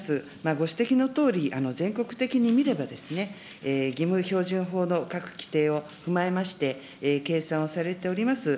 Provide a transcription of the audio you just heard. ご指摘のとおり、全国的に見れば、義務標準法の各規定を踏まえまして、計算をされております